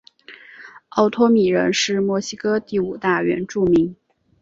奥托米人是墨西哥第五大原住民。